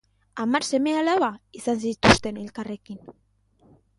Hamar seme-alaba izan zituzten elkarrekin.